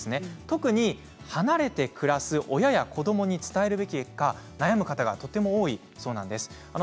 特に、離れて暮らす親や子どもに伝えるべきか悩む方がとても多いそうです。